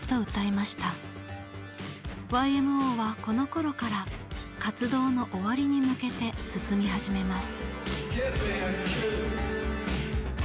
ＹＭＯはこのころから活動の終わりに向けて進み始めます。